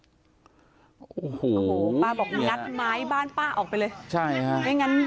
ติดเตียงได้ยินเสียงลูกสาวต้องโทรศัพท์ไปหาคนมาช่วย